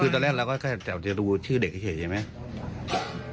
คือตอนแรกเราก็จะดูชื่อเด็กเหตุใช่ไหม